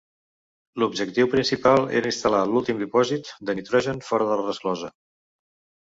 L'objectiu principal era instal·lar l'últim dipòsit de nitrogen fora de la resclosa.